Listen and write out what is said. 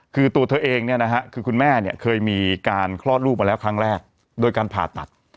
คือตัวเธอเองเนี่ยนะฮะคือคุณแม่เนี่ยเคยมีการคลอดลูกมาแล้วครั้งแรกโดยการผ่าตัด